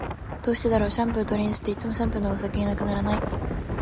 どうしてだろう、シャンプーとリンスって、いつもシャンプーの方が先に無くならない？